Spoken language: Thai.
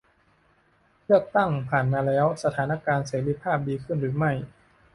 เลือกตั้งผ่านมาแล้ว สถานการณ์เสรีภาพดีขึ้นหรือไม่ ?